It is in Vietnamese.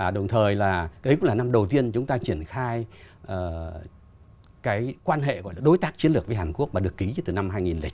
đồng thời là cũng là năm đầu tiên chúng ta triển khai cái quan hệ gọi là đối tác chiến lược với hàn quốc mà được ký từ năm hai nghìn chín